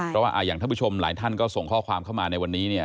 เพราะว่าอย่างท่านผู้ชมหลายท่านก็ส่งข้อความเข้ามาในวันนี้เนี่ย